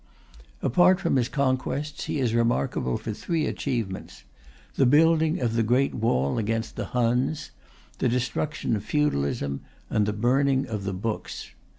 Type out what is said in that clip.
Apart from his conquests, he is remarkable for three achievements: the building of the Great Wall against the Huns, the destruction of feudalism, and the burning of the books.